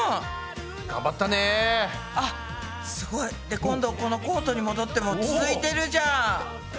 で今度このコートに戻っても続いてるじゃん。